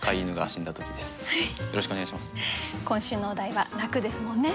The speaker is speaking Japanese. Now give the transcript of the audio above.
今週のお題は「泣」ですもんね。